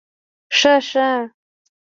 شه شه